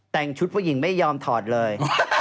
แต่งชุดผู้หญิงไม่ยอมถอดเลย